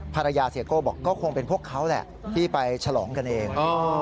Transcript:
เสียโก้บอกก็คงเป็นพวกเขาแหละที่ไปฉลองกันเอง